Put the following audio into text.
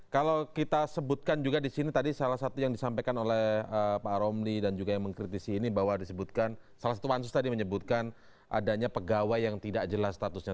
kalau kita sebutkan juga di sini tadi salah satu yang disampaikan oleh pak romli dan juga yang mengkritisi ini bahwa disebutkan salah satu pansus tadi menyebutkan adanya pegawai yang tidak jelas statusnya